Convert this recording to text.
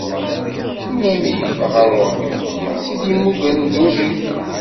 Tura mi yeffeɣ uṛumi, i tt-id-yemuggren d urrif.